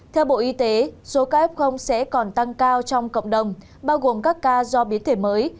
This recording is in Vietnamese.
theo bộ y tế số ca f sẽ còn tăng cao trong cộng đồng bao gồm các ca do biến thể mới